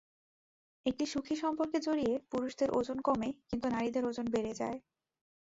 একটি সুখী সম্পর্কে জড়িয়ে পুরুষদের ওজন কমে কিন্তু নারীদের ওজন বেড়ে যায়।